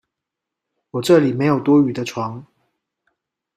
我這裡沒有多餘的床